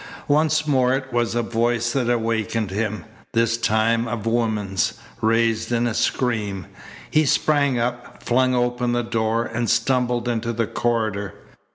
Once more it was a voice that awakened him this time a woman's, raised in a scream. He sprang up, flung open the door, and stumbled into the corridor.